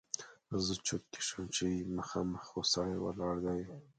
زه چرت کې شوم چې مخامخ خو سړی ولاړ دی!